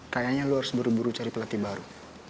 kayaknya lo harus buru buru cari pelatih baru